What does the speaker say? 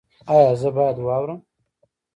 ایا زه باید واورم؟